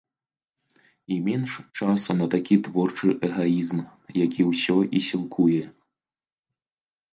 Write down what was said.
І менш часу на такі творчы эгаізм, які ўсё і сілкуе.